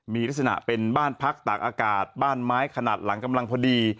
มีลักษณะเป็นบ้านพักตากอากาศบ้านไม้ขนาดหลังกำลังพอดี